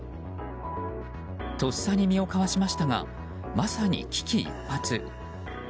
とっさに身をかわしましたがまさに危機一髪。